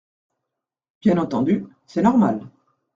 Bien entendu, c’est normal.